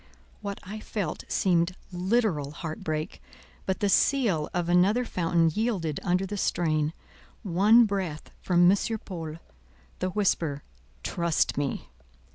What I felt seemed literal heart break; but the seal of another fountain yielded under the strain: one breath from M. Paul, the whisper, "Trust me!"